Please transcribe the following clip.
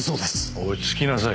落ち着きなさい。